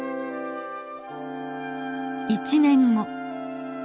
１年後。